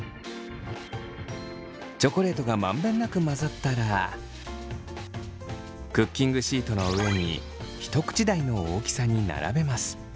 チョコレートが満遍なく混ざったらクッキングシートの上に一口大の大きさに並べます。